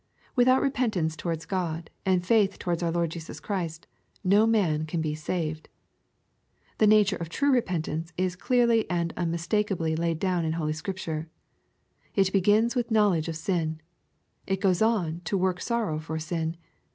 Without repentance towards God, and faith towards our Lord Jesus Christ, no man can be saved. The nature of true repentance is clearly and unmis takeably laid down in holy Scripture. It begins with knowledge of sin. It goes on to work sorrow for sin.